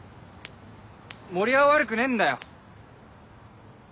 森生は悪くねえんだよ。